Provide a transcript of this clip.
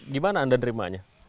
gimana anda menerimanya